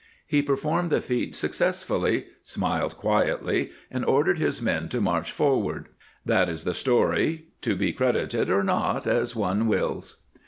He performed the feat success fully, smiled quietly, and ordered his men to march forward. That is the story, to be credited or not as one wills.